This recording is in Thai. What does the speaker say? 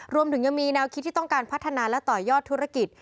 รวมถึงยังมีแนวคิดที่ต้องการพัฒนาและต่อยอดธุรกิจ